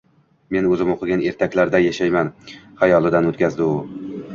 Men o`zim o`qigan ertaklarda yashayman, xayolidan o`tkazdi u